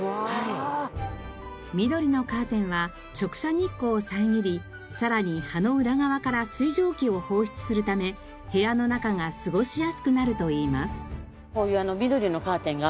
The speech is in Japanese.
緑のカーテンは直射日光を遮りさらに葉の裏側から水蒸気を放出するため部屋の中が過ごしやすくなるといいます。